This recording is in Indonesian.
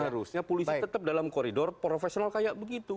harusnya polisi tetap dalam koridor profesional kayak begitu